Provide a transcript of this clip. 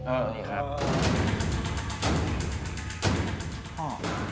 เออ